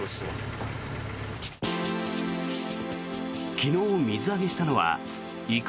昨日水揚げしたのはイカ